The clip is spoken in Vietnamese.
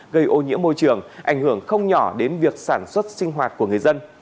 gây ô nhiễm môi trường ảnh hưởng không nhỏ đến việc sản xuất sinh hoạt của người dân